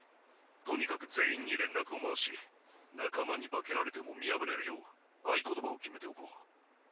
とにかく全員に連絡を回し仲間に化けられても見破れるよう合言葉を決めておこう。